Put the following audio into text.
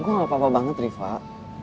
gue gak apa apa banget rifa